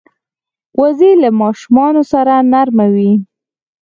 وزې له ماشومانو سره نرمه وي